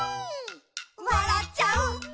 「わらっちゃう」